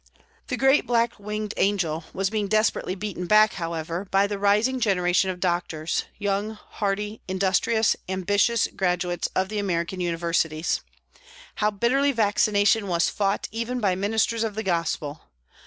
The great black winged angel was being desperately beaten back, however, by the rising generation of doctors, young, hearty, industrious, ambitious graduates of the American universities. How bitterly vaccination was fought even by ministers of the Gospel.